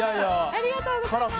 ありがとうございます。